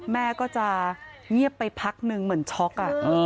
แม่ก็จะเงียบไปพักนึงเหมือนช็อก